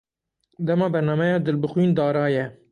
Dema bernameya Dilbixwîn Dara ye.